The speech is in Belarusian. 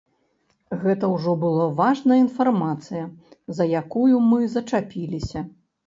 Гэта ўжо была важная інфармацыя, за якую мы зачапіліся.